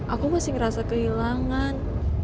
aku masih ngerasa kehilangan